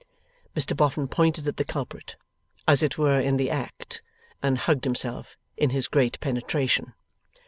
Mr Boffin pointed at the culprit, as it were in the act, and hugged himself in his great penetration.